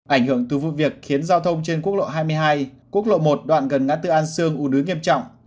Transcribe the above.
ảnh hưởng từ vụ việc khiến giao thông trên quốc lộ hai mươi hai quốc lộ một đoạn gần ngã tư an sương u nứ nghiêm trọng